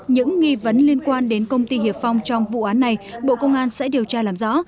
những nghi vấn liên quan đến công ty hiệp phòng trong vụ án này bộ công an sẽ điều tra làm rõ